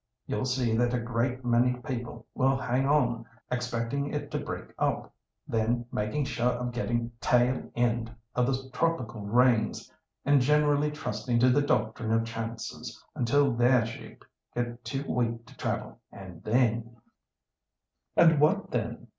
"You'll see that a great many people will hang on, expecting it to break up; then, making sure of getting the 'tail end' of the tropical rains, and generally trusting to the doctrine of chances until their sheep get too weak to travel, and then— " "And what then?"